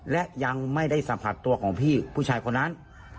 และยังไม่ได้สัมผัสตัวของพี่ผู้ชายคนนั้น